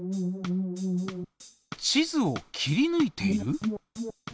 地図を切りぬいている？